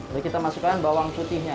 lalu kita masukkan bawang putihnya